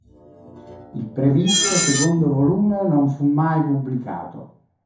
Il previsto "Secondo volume" non fu mai pubblicato.